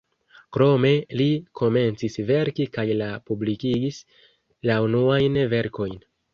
Krome li komencis verki kaj la publikigis la unuajn verkojn.